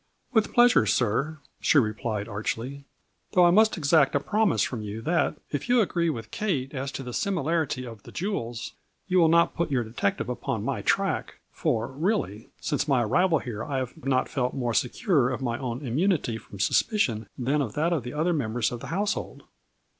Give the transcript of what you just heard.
" With pleasure, sir," she replied, archly, " though I must exact a promise from you, that if you agree with Kate as to the similarity of 176 A FLURRY IN DIAMONDS. the jewels, you will not put your detective upon my track ; for, really, since my arrival here I have not felt more secure of my own immunity from suspicion than of that of the other mem bers of the household."